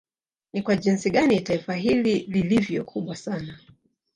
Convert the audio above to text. Ni kwa jinsi gani Taifa hili lilivyo kubwa sana